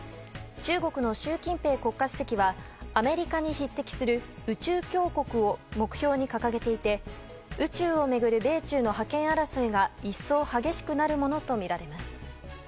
中国の習近平国家主席はアメリカに匹敵する宇宙強国を目標に掲げていて宇宙を巡る米中の覇権争いが一層激しくなるものとみられます。